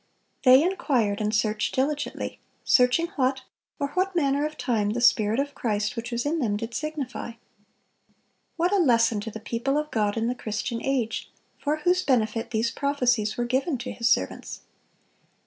They "inquired and searched diligently," "searching what, or what manner of time the Spirit of Christ which was in them did signify." What a lesson to the people of God in the Christian age, for whose benefit these prophecies were given to His servants!